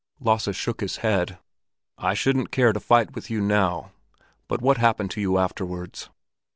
Lasse shook his head. "I shouldn't care to fight with you now. But what happened to you afterwards?"